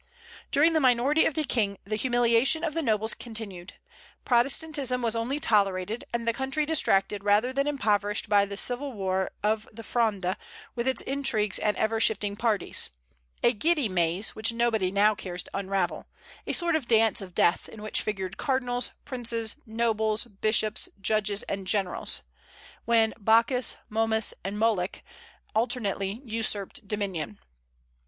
During the minority of the King the humiliation of the nobles continued. Protestantism was only tolerated, and the country distracted rather than impoverished by the civil war of the Fronde, with its intrigues and ever shifting parties, a giddy maze, which nobody now cares to unravel; a sort of dance of death, in which figured cardinals, princes, nobles, bishops, judges, and generals, when "Bacchus, Momus, and Moloch" alternately usurped dominion.